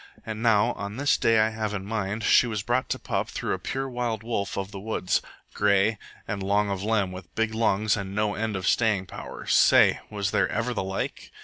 And now, on this day I have in mind, she was brought to pup through a pure wild wolf of the woods grey, and long of limb, with big lungs and no end of staying powers. Say! Was there ever the like?